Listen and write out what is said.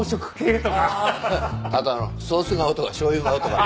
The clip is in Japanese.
あとあのソース顔とかしょうゆ顔とかね。